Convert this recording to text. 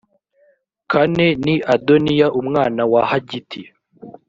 kane ni adoniya umwana wa hagiti